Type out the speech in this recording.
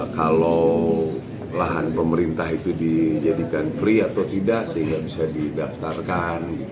kalau lahan pemerintah itu dijadikan free atau tidak sehingga bisa didaftarkan